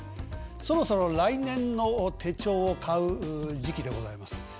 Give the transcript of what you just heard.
そろそろ来年の手帳を買う時期でございます。